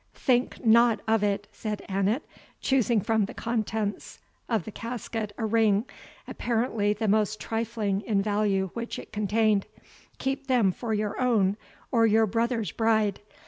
"Think not of it," said Annot, choosing from the contents of the casket a ring, apparently the most trifling in value which it contained; "keep them for your own, or your brother's bride.